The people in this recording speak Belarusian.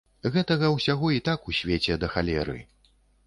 Гэтага ўсяго і так у свеце да халеры.